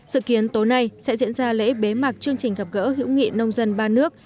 sự kiến tối nay sẽ diễn ra lễ bế mạc chương trình gặp gỡ hữu nghị nông dân ba nước